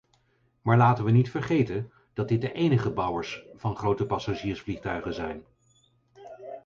Maar laten we niet vergeten dat dit de enige bouwers van grote passagiersvliegtuigen zijn.